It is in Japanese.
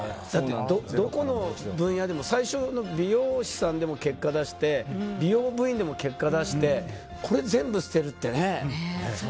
どこの分野でも最初の美容師さんでも結果を出して美容部員でも結果を出してこれ全部捨てるってね。